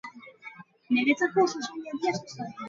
Ez gara inoiz egon!